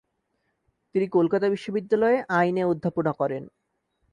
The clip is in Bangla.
তিনি কলকাতা বিশ্ববিদ্যালয়ে আইনে অধ্যাপনা করেন।